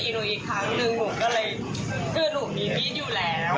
ก็วิ่งมันต้องต้อง๔๕๕